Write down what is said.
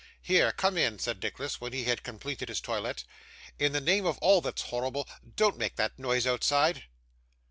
'Here, come in,' said Nicholas, when he had completed his toilet. 'In the name of all that's horrible, don't make that noise outside.